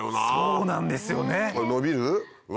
そうなんですよ！